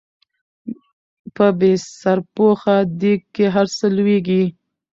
په بې سرپوښه ديګ کې هر څه لوېږي